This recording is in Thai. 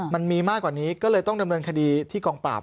มันมีมากกว่านี้ก็เลยต้องดำเนินคดีที่กองปราบ